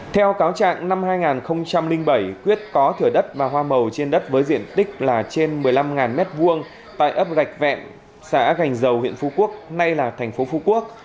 theo cáo trạng năm hai nghìn bảy quyết có thửa đất và hoa màu trên đất với diện tích là trên một mươi năm m hai tại ấp rạch xã gành dầu huyện phú quốc nay là thành phố phú quốc